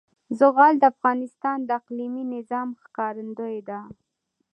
زغال د افغانستان د اقلیمي نظام ښکارندوی ده.